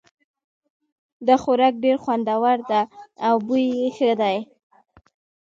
دا خوراک ډېر خوندور ده او بوی یې ښه ده